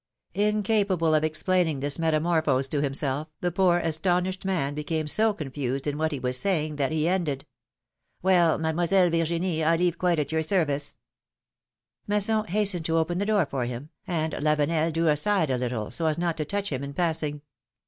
Incapable of explain PIlILOMi:XE^S MARRIAGES. 163 ing this metamorphose to himself, the poor, astonished man became so confused in what he was saying, that he ended : Mademoiselle Virginie, I leave quite at your service.^^ Masson hastened to open the door for him, and Lavenel drew aside a little, so as not to touch him in passing.